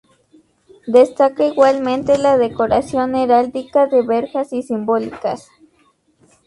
Destaca igualmente la decoración heráldica, de verjas y simbólicas.